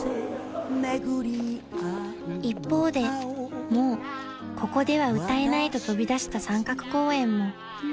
［一方でもうここでは歌えないと飛び出した三角公園も］